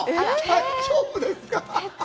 大丈夫ですか？